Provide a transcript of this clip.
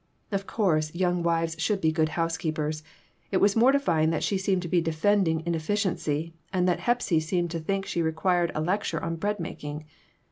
Of course, young wives should be good housekeepers. It was mortifying that she seemed to be defending inefficiency and that Hepsy seemed to think she required a lecture on bread making.